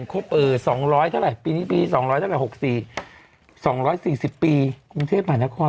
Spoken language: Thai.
ครบ๒๐กว่าปีพอดีแล้วเหรอ